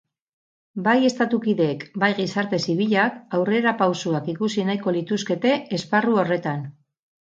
Bai Estatu kideek bai gizarte zibilak aurrerapausoak ikusi nahiko lituzkete esparru horretan